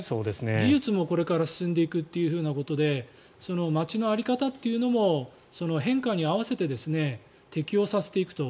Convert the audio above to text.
技術もこれから進んでいくということで街の在り方っていうのも変化に合わせて適用させていくと。